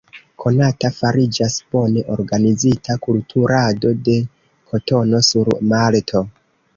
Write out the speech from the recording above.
Konata fariĝas bone organizita kulturado de kotono sur Malto.